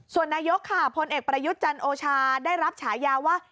ส่วนนายกค่ะพลเอกประยุทธ์จันโอชาได้รับฉายาว่า